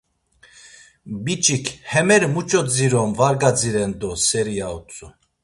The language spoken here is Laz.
Biç̌ik, Hemeri muç̌o dzirom var gadziren do seri ya utzu.